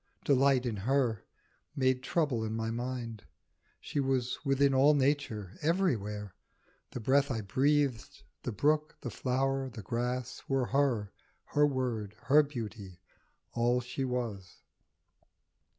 Delight in her made trouble in my mind. She was within all Nature, everywhere. The breath I breathed, the brook, the flower, the grass, Were her, her word, her beauty, all she was.